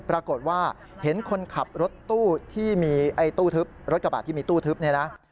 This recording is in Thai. ปรากฏว่าเห็นคนขับรถกระบาดที่มีตู้ทึบนี่นะ